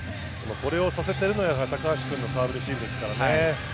これをさせているのは高橋君のサーブ、レシーブですからね。